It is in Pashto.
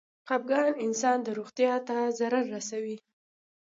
خپګان انسان د روغتيا ته ضرر رسوي.